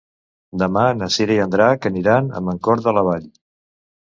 Demà na Cira i en Drac aniran a Mancor de la Vall.